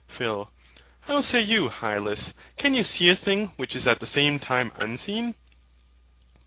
PHIL. How say you, Hylas, can you see a thing which is at the same time unseen?